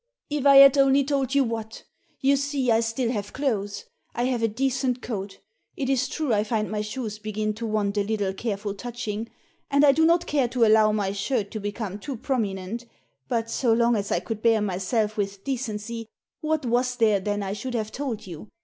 "If I had only told you what? You see I still have clothes — I have a decent coat — it is true I find my shoes begin to want a little careful touching — and I do not care to allow my shirt to become too prominent — ^but so long as I could bear myself with decency, what was there then I should have told you?